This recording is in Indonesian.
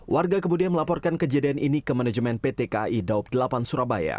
warga kemudian melaporkan kejadian ini ke manajemen pt kai daob delapan surabaya